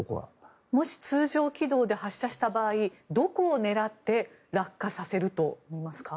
もし通常軌道で発射した場合どこを狙って落下させるとみますか？